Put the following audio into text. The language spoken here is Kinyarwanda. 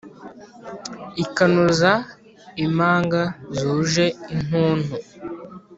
ikanoza imanga zuje intuntu.